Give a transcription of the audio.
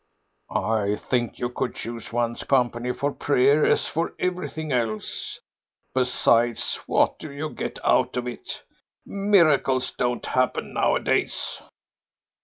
"I think one should choose one's company for prayer as for everything else. Besides, what do you get out of it? Miracles don't happen nowadays."